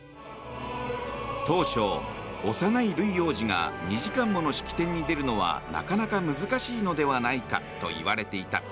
当初、幼いルイ王子が２時間もの式典に出るのはなかなか難しいのではないかといわれていた。